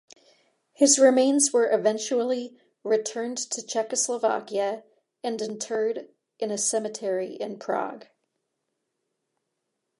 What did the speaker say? His remains were eventually returned to Czechoslovakia and interred in a cemetery in Prague.